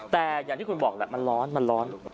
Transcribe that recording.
แต่อย่างที่คุณบอกแหละมันร้อนมันร้อน